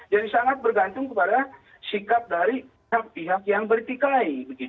jadi sangat bergantung kepada sikap dari pihak pihak yang bertikai